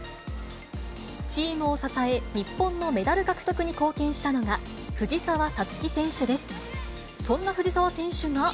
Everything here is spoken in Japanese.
チームを支え、日本のメダル獲得に貢献したのが、藤澤五月選手です。